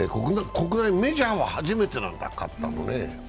国内メジャーは初めてなんだ、勝ったのは。